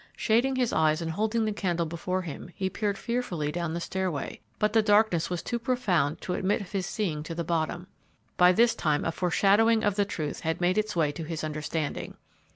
Shading his eyes and holding the candle before him he peered fearfully down the stairway, but the darkness was too profound to admit of his seeing to the bottom. By this time a foreshadowing of the truth had made its way to his understanding.